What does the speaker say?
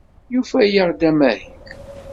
Yufa-aɣ-d amahil.